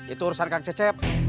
itu urusan kang cecep